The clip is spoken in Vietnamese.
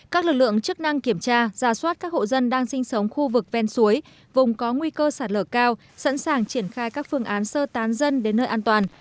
các lực lượng chức năng kiểm tra ra soát các hộ dân đang sinh sống khu vực ven suối vùng có nguy cơ sạt lở cao sẵn sàng triển khai các phương án sơ tán dân đến nơi an toàn